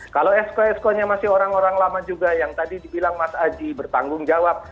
kalau esko eskonya masih orang orang lama juga yang tadi dibilang mas aji bertanggung jawab